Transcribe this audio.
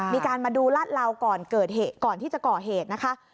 มีการมาดูลาดเหลาก่อนเกิดเหตุก่อนที่จะก่อเหตุนะคะ